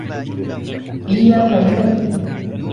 هي فهمتني.